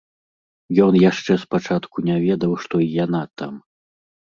Ён яшчэ спачатку не ведаў, што і яна там.